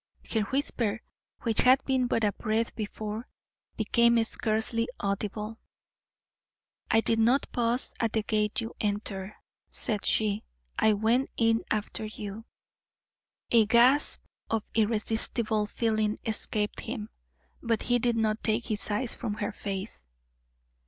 Her whisper, which had been but a breath before, became scarcely audible. "I did not pause at the gate you entered," said she. "I went in after you." A gasp of irresistible feeling escaped him, but he did not take his eyes from her face.